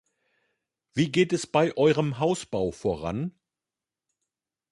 Wie geht es bei eurem Hausbau voran?